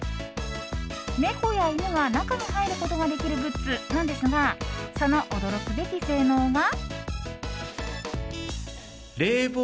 猫や犬が中に入ることができるグッズなんですがその驚くべき性能が。